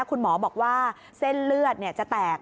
คุณหมอบอกว่าเส้นเลือดจะแตก